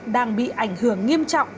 đang bị ảnh hưởng nghiêm trọng